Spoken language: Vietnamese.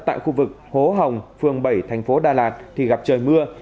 tại khu vực hố hồng phường bảy tp đà lạt thì gặp trời mưa